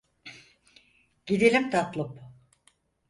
Gidelim tatlım.